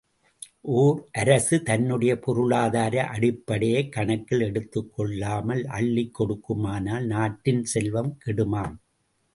ஓர் அரசு தன்னுடைய பொருளாதார அடிப்படையைக் கணக்கில் எடுத்துக் கொள்ளாமல் அள்ளிக்கொடுக்குமானால் நாட்டின் செல்வம் கெடுமாம்.